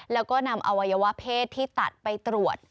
แล้วก็นำอวัยวะเพศที่ตัดไปตรวจ